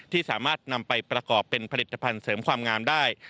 ที่สามารถนำไปประกอบเป็นผลิตภัณฑ์เสริมความงามได้